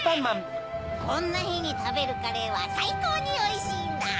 こんなひにたべるカレーはさいこうにおいしいんだ。